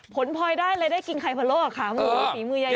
ผลพลอยได้เลยได้กินไข่พะโล้กับขามือฝีมือยายหยวน